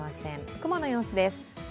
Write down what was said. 雲の様子です。